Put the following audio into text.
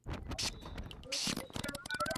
তিনি অন্নসত্র খুলে সকলকে দুই বেলা খাওয়াতেন।